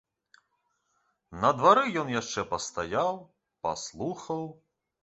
На двары ён яшчэ пастаяў, паслухаў.